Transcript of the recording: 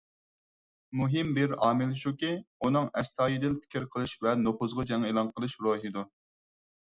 مۇھىم بىر ئامىل شۇكى، ئۇنىڭ ئەستايىدىل پىكىر قىلىش ۋە نوپۇزغا جەڭ ئېلان قىلىش روھىدۇر.